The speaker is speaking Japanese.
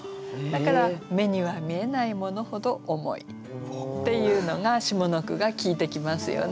だから「目には見えないものほど重い」っていうのが下の句が効いてきますよね。